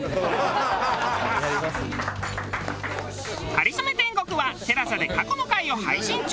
『かりそめ天国』はＴＥＬＡＳＡで過去の回を配信中！